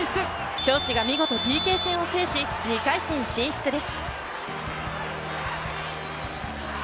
尚志が見事ＰＫ戦を制し、２回戦進出です。